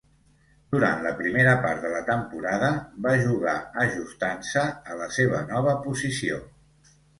Durant la primera part de la temporada, va jugar ajustant-se a la seva nova posició.